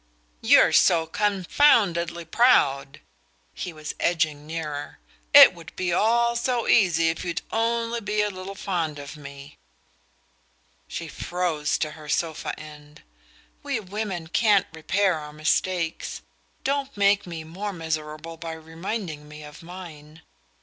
"You're so confoundedly proud!" He was edging nearer. "It would all be so easy if you'd only be a little fond of me..." She froze to her sofa end. "We women can't repair our mistakes. Don't make me more miserable by reminding me of mine."